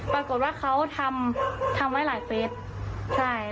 ปรากฏว่าเขาทำไว้หลายเฟซ